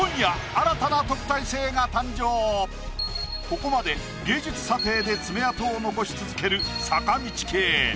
ここまで芸術査定で爪痕を残し続ける坂道系。